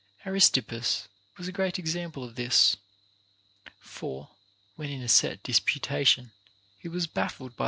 Aristippus was a great example of this ; for when in a set disputation he was baffled by.